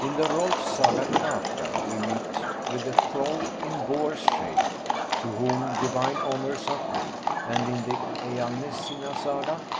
In the Hrolfs Saga Kraka, we meet with a troll in boar's shape, to whom divine honours are paid ; and in the Ejalnessinga Saga, c.